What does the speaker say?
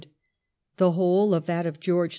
the whole of that of George IV.